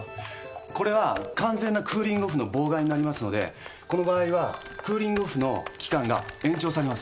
これは完全なクーリングオフの妨害になりますのでこの場合はクーリングオフの期間が延長されます。